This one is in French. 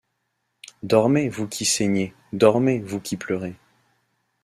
Dormez, vous qui saignez ; dormez, vous qui pleurez!